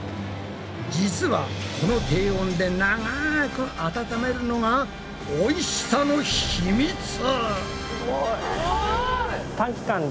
実はこの低温で長く温めるのがおいしさのヒミツ！